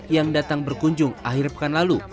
yang datang berkunjung akhir pekan lalu